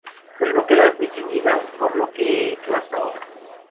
Pero no queda definida por lo que he hecho hasta ahora.